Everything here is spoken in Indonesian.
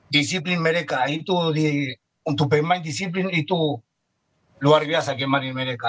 disiplin mereka itu untuk pemain disiplin itu luar biasa dibanding mereka